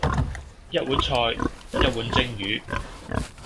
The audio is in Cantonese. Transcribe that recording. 一碗菜，一碗蒸魚；